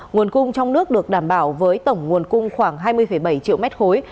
nguồn cung trong nước được đảm bảo với tổng nguồn cung khoảng hai mươi bảy triệu mét khối